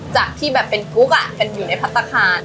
จากที่แบบเป็นทุกข์กันอยู่ในพัฒนาคาร